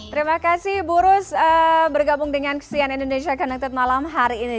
terima kasih bu rus bergabung dengan cn indonesia connected malam hari ini